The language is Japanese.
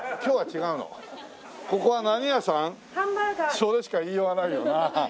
それしか言いようがないよな。